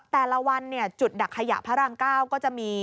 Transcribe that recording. แต่ละวันจุดดักขยะพระราม๙ก็จะมี